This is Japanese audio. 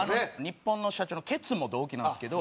ニッポンの社長のケツも同期なんですけど。